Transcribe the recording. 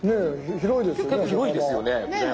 広いですよね歩幅。